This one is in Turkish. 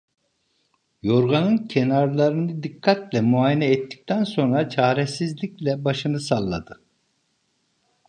Yorganın kenarlarını dikkatle muayene ettikten sonra çaresizlikle başını salladı.